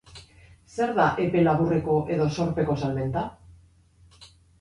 Zer da epe laburreko edo zorpeko salmenta?